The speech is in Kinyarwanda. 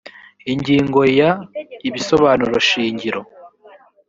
ingingo ya…: ibisobanuro shingiro